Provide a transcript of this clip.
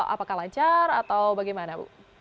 apakah lancar atau bagaimana